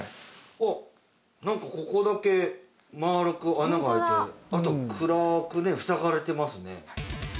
あっ何かここだけ丸く穴があいてあと暗くね塞がれてますね